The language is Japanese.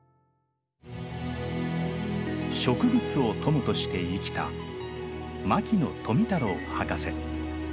植物を友として生きた牧野富太郎博士。